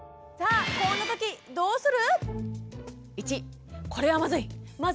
３８度こんな時どうする？